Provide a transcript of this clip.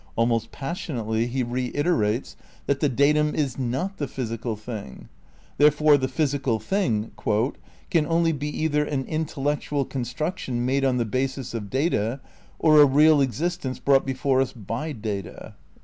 Almost passionately he reiterates that the datum is not the physical thing. Therefore the physi cal thing "can only be either an intellectual construction made on the basis of data or a real existence brought before us by data."